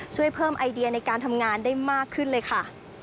ช่วยเพิ่มไอเดียในการทำงานได้มากขึ้นเลยค่ะ